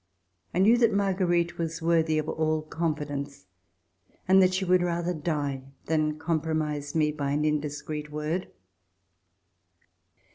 I knew that Marguerite was worthy of all con fidence and that she would rather die than com promise me by an indiscreet word.